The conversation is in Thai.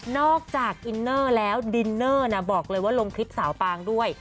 อกจากอินเนอร์แล้วดินเนอร์บอกเลยว่าลงคลิปสาวปางด้วย